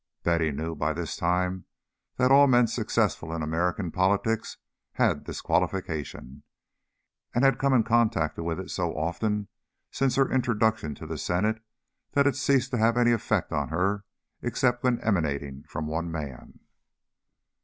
Betty knew by this time that all men successful in American politics had this qualification, and had come in contact with it so often since her introduction to the Senate that it had ceased to have any effect on her except when emanating from one man.